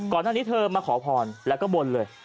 ก่อนหน้านี้เธอมาขอพรแล้วก็บนเลย